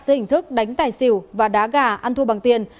dưới hình thức đánh tài xỉu và đá gà ăn thua bằng tiền